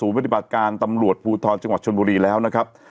สูงบ้ายดีบัตรการตำหลวดภูทรจังหวัดชนบุรีแล้วนะครับ